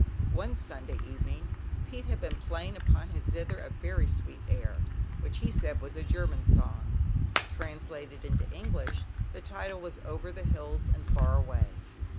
One Sunday evening Pete had been playing upon his zither a very sweet air, which he said was a German song. Translated into English, the title was Over the Hills and Far Away."